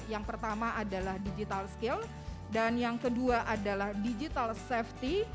yang pertama adalah digital skill dan yang kedua adalah digital safety